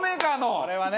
あれはね。